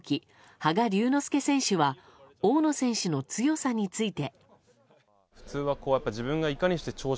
羽賀龍之介選手は大野選手の強さについて。